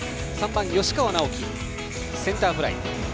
３番、吉川尚輝はセンターフライ。